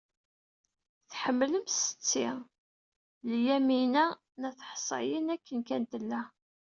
Tḥemmlem Setti Lyamina n At Ḥsayen akken kan tella.